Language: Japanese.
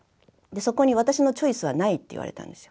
そこに私のチョイスはないって言われたんですよ。